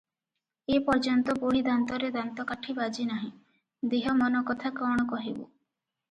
ଏ ପର୍ଯ୍ୟନ୍ତ ବୁଢ଼ୀ ଦାନ୍ତରେ ଦାନ୍ତକାଠି ବାଜି ନାହିଁ, ଦେହ ମନ କଥା କ’ଣ କହିବୁଁ?